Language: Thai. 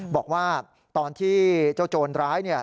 บอกว่าตอนที่เจ้าโจรร้าย